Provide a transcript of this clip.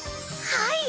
はい！